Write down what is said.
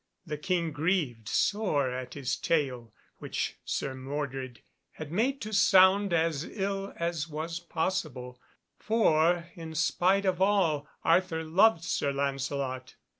The King grieved sore at his tale, which Sir Mordred had made to sound as ill as was possible; for, in spite of all, Arthur loved Sir Lancelot.